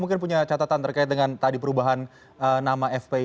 mungkin punya catatan terkait dengan tadi perubahan nama fpi